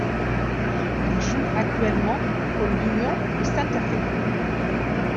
Il joue actuellement pour l'Unión de Santa Fe.